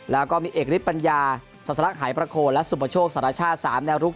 แล้วก็มีเอกลิศปัญญาสรรคหายประโคลและสุโปรโชคสรรชาติสามแนวรุก